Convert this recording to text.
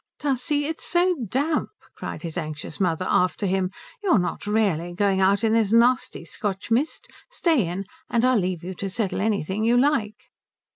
"Tussie, it's so damp," cried his anxious mother after him "you're not really going out in this nasty Scotch mist? Stay in, and I'll leave you to settle anything you like."